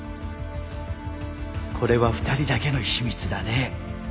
これは２人だけの秘密だね。